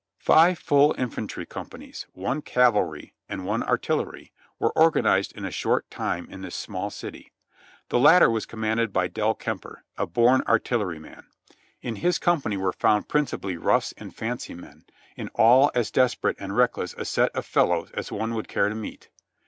Five full infantry companies, one cavalry and one artillery, were organized in a short time in this small city. The latter was com manded by Del Kemper, a born artilleryman. In his company THE PROMPTER S BKLL I9 were found principally roughs and fancy men, in all as desperate and reckless a set of fellows as one would care to meet.